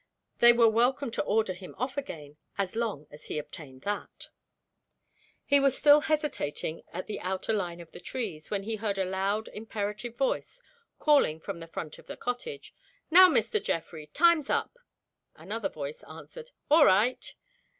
They were welcome to order him off again, as long as he obtained that. He was still hesitating at the outer line of the trees, when he heard a loud, imperative voice, calling from the front of the cottage, "Now, Mr. Geoffrey! Time's up!" Another voice answered, "All right!"